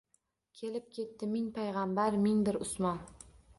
Kelib ketdi ming paygʼambar, ming bir Usmon.